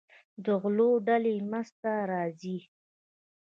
د غلو ډلې منځته راځي.